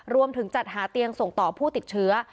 รวมถึงจัดหาเตียงส่งต่อผู้ติดเชื้อ